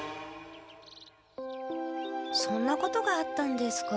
そんなことがあったんですか。